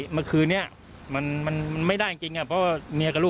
เมื่อกลุ่ม